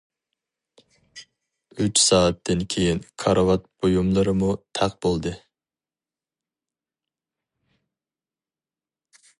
ئۈچ سائەتتىن كېيىن كارىۋات بۇيۇملىرىمۇ تەق بولدى.